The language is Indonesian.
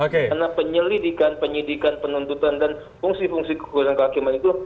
karena penyelidikan penyidikan penuntutan dan fungsi fungsi kekuasaan kehakiman itu